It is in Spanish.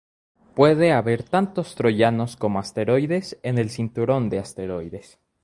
Puede haber tantos troyanos como asteroides en el cinturón de asteroides.